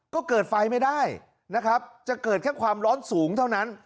ก็เกิดไฟไม่ได้นะครับจะเกิดแค่ความร้อนสูงเท่านั้น